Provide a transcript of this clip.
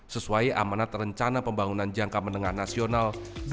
sesuai amanat rencana pembangunan jangka menengah nasional dua ribu dua puluh dua ribu dua puluh empat